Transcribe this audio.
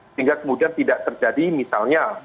sehingga kemudian tidak terjadi misalnya